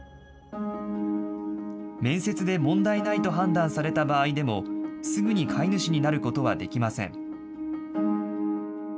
面接で問題ないと判断された場合でも、すぐに飼い主になることはできません。